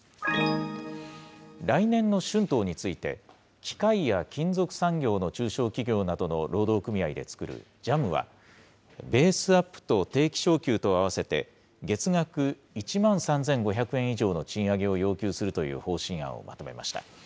来年の春闘について、機械や金属産業の中小企業などの労働組合で作るＪＡＭは、ベースアップと定期昇給とを合わせて、月額１万３５００円以上の賃上げを要求するという方針案をまとめました。